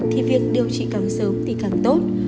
thì việc điều trị càng sớm thì càng tốt